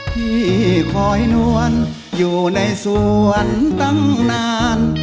ที่คอยนวลอยู่ในสวนตั้งนาน